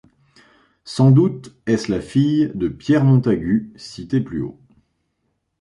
Sans doute est-ce la fille de Pierre Montagut cité plus haut.